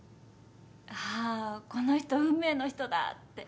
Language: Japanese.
ああこの人運命の人だって。